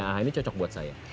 ah ini cocok buat saya